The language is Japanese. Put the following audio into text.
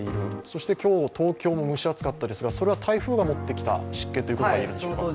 そして今日、東京も蒸し暑かったですがそれは台風が持ってきた湿気といえますか。